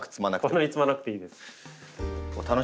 こんなに積まなくていいです。